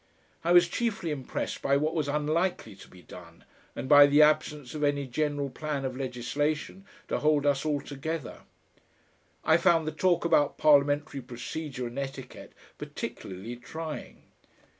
I was chiefly impressed by what was unlikely to be done and by the absence of any general plan of legislation to hold us all together. I found the talk about Parliamentary procedure and etiquette particularly trying.